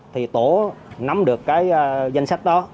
thì tổ nắm được cái danh sách đó